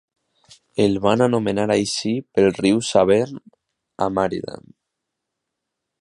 El van anomenar així pel riu Severn, a Maryland.